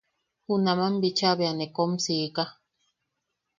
Junaman bicha bea ne kom siika.